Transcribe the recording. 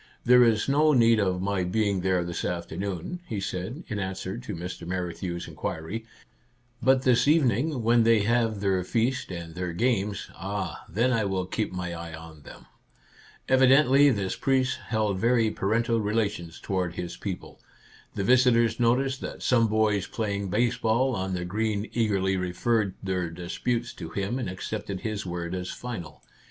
" There is no need of my being there this afternoon," he said, in answer to Mr. Men knew' s inquiry ;" but this evening, when they have their feast and their games, — ah, then I will keep my eye on them !" Evidently this priest held very parental relations toward his people. The visitors noticed that some boys playing baseball on the green eagerly referred their disputes to him and accepted his word as final.